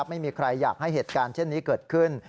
ไม่มีใครอยากให้เหตุการณ์เช่นนี้เกิดขึ้น